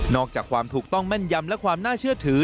อกจากความถูกต้องแม่นยำและความน่าเชื่อถือ